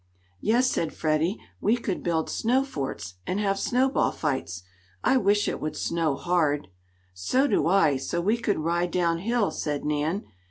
"Yes," said Freddie. "We could build snow forts and have snowball fights. I wish it would snow hard." "So do I, so we could ride down hill," said Nan.